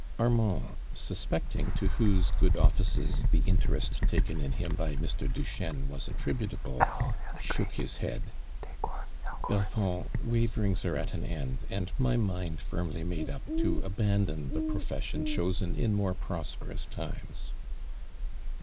Armand, suspecting to whose good offices the interest taken in him by Mr. Duchesne was attributable, shook his head. *' Bel fond, waverings are at an end, and my mind fii mly made up to abandon the ]>rofessioii chosen in more prospei ous times."